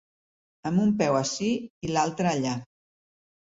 Amb un peu ací i l'altre allà.